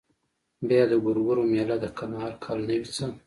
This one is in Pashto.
بيا د ګورګورو مېله ده کنه هر کال نه وي څه.